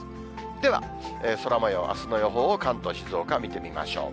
では空もよう、あすの予報を関東、静岡、見てみましょう。